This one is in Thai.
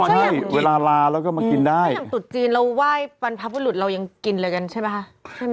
ได้เวลาราใช่นั่งตุจีนเราไหว้ปันพรรพฤตเรายังกินเลยกันใช่ป่ะใช่ไหม